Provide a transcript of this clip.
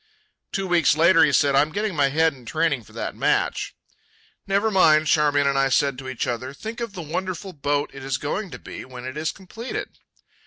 Two weeks later he said, "I'm getting my head in training for that match." "Never mind," Charmian and I said to each other; "think of the wonderful boat it is going to be when it is completed."